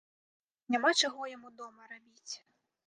Няма чаго яму дома рабіць.